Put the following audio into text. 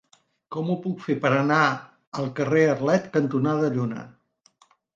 Com ho puc fer per anar al carrer Arlet cantonada Lluna?